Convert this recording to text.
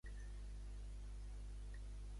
Què va dir en Vadó?